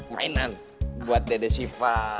mainan buat dede shiva